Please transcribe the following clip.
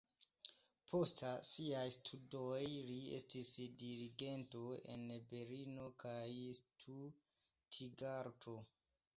Post siaj studoj li estis dirigento en Berlino kaj Stutgarto.